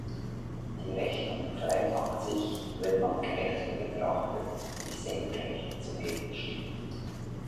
Die Rechnung vereinfacht sich, wenn man Kräfte betrachtet, die senkrecht zum Hebel stehen.